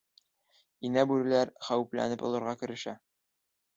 Инә бүреләр хәүефләнеп олорға керешә: